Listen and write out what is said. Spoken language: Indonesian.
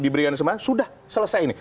diberikan kesempatan sudah selesai ini